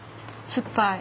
酸っぱい！